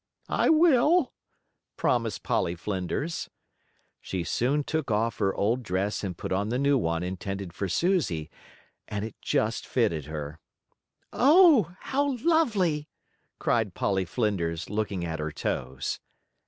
"I will," promised Polly Flinders. She soon took off her old dress and put on the new one intended for Susie, and it just fitted her. "Oh, how lovely!" cried Polly Flinders, looking at her toes.